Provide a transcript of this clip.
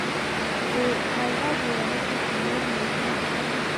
غوغا جوړه نکې چې نور ملکونه خبر نشي.